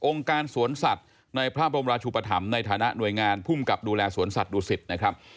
การสวนสัตว์ในพระบรมราชุปธรรมในฐานะหน่วยงานภูมิกับดูแลสวนสัตวศิษฐ์นะครับ